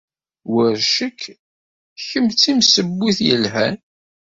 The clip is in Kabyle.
War ccek, kemm d timsewwit yelhan.